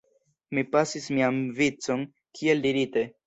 Mi pasis mian vicon, kiel dirite.